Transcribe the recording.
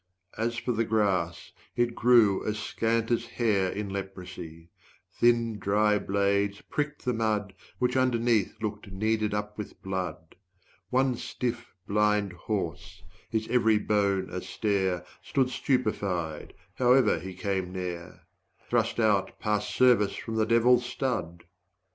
As for the grass, it grew as scant as hair In leprosy; thin dry blades pricked the mud Which underneath looked kneaded up with blood. 75 One stiff blind horse, his every bone a stare, Stood stupefied, however he came there; Thrust out past service from the devil's stud!